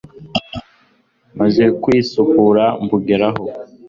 maze kwisukura mbugeraho